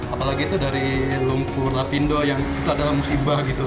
apalagi itu dari lumpur lapindo yang itu adalah musibah gitu